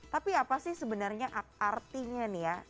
tapi apa sih sebenarnya artinya nih ya